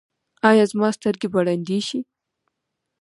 ایا زما سترګې به ړندې شي؟